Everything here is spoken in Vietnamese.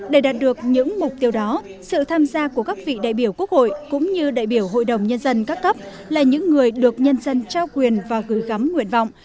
để đạt được những mục tiêu đó sự tham gia của các vị đại biểu quốc hội cũng như đại biểu hội đồng nhân dân các cấp là những người được nhân dân trao quyền và gửi gắm nguyện vọng